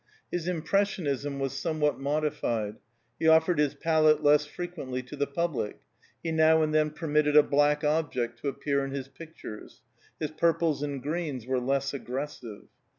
His impressionism was somewhat modified; he offered his palette less frequently to the public; he now and then permitted a black object to appear in his pictures; his purples and greens were less aggressive.